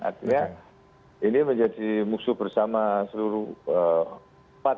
artinya ini menjadi musuh bersama seluruh tempat